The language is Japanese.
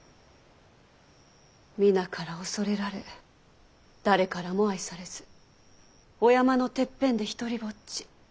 ・皆から恐れられ誰からも愛されずお山のてっぺんで独りぼっち。